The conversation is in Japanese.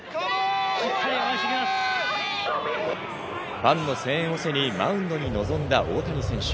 ファンの声援を背に、マウンドに臨んだ大谷選手。